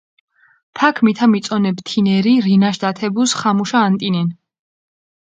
თაქ მითა მიწონებჷ თინერი, რინაშ დათებუს ხამუშა ანტინენ.